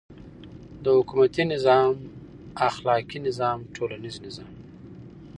. د حکومتی نظام، اخلاقی نظام، ټولنیز نظام